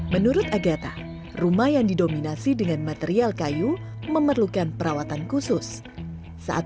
menurut agatha rumah yang didominasi dengan material kayu memerlukan perawatan khusus saat